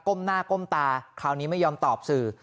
หน้าก้มตาคราวนี้ไม่ยอมตอบสื่อ